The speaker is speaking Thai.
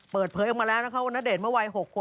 เปิดเผยออกมาแล้วนะคะว่าณเดชน์เมื่อวัย๖ขวบ